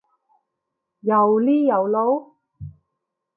又呢又路？